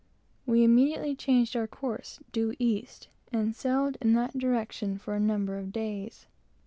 We immediately changed our course due east, and sailed in that direction for a number of days.